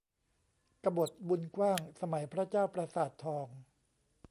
กบฏบุญกว้าง สมัยพระเจ้าประสาททอง